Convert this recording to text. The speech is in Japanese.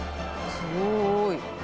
すごい。